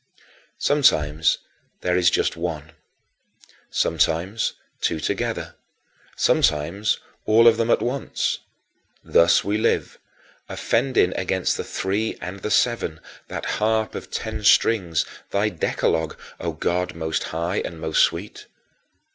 Sometimes there is just one; sometimes two together; sometimes all of them at once. Thus we live, offending against the Three and the Seven, that harp of ten strings, thy Decalogue, O God most high and most sweet.